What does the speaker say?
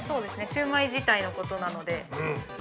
シウマイ自体のことなので。